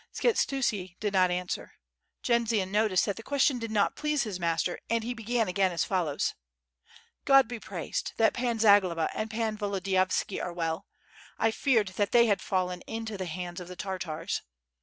Skshetuski did nol answer; Jendzian noticed that the ques tion did not please his master, and he began again as follows: "God be praised that Pan Zasfloba and Pan Volodiyovski are well. I feared that they had fallen into the hands of the Tartars